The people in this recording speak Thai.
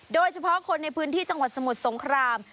โดยเฉพาะคนในพื้นที่จังหวัดสมุทรสงคราม